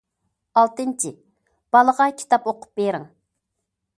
ئالتىنچى، بالىغا كىتاب ئوقۇپ بېرىڭ.